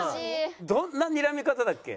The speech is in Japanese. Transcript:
どんなにらみ方だっけ？